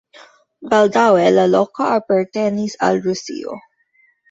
Baldaŭe la loko apartenis al Rusio.